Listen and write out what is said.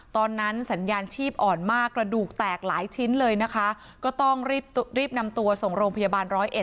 ตอนนั้นสัญญาณชีพอ่อนมากกระดูกแตกหลายชิ้นเลยนะคะก็ต้องรีบนำตัวส่งโรงพยาบาลร้อยเอ็